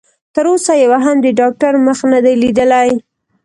تر اوسه يوه هم د ډاکټر مخ نه دی ليدلی.